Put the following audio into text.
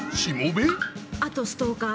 あとストーカー。